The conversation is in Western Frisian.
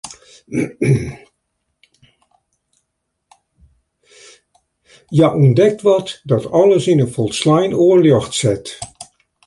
Hja ûntdekt wat dat alles yn in folslein oar ljocht set.